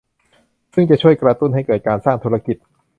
ซึ่งจะช่วยกระตุ้นให้เกิดการสร้างธุรกิจ